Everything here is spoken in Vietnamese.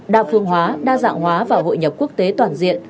đa phương hóa đa dạng hóa và hội nhập quốc tế toàn diện